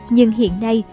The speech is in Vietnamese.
nhưng hiện nay